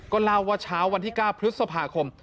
เล่าว่าเช้าวันที่๙พฤษภาคม